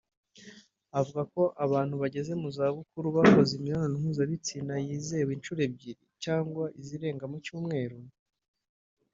avuga ko abantu bageze mu za bukuru bakoze imibonano mpuzabitsina yizewe inshuro ebyiri cyangwa izirenga mu cyumweru